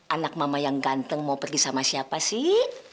anak mama yang ganteng mau pergi sama siapa sih